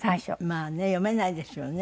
まあね読めないですよね。